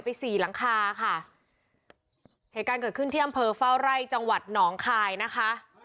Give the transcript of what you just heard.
สี่หลังคาค่ะเหตุการณ์เกิดขึ้นที่อำเภอเฝ้าไร่จังหวัดหนองคายนะคะ